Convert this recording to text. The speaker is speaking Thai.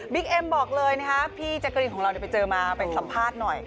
บิ๊กเอ็มบอกเลยนะครับพี่แจกรินของเราเดี๋ยวไปเจอมาไปสัมภาษณ์หน่อย